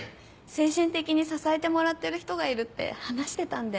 精神的に支えてもらってる人がいるって話してたんで。